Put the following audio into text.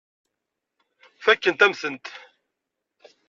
Fakkent-am-tent.